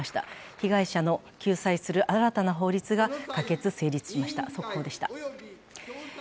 被害者を救済する新たな法律が可決・成立しました。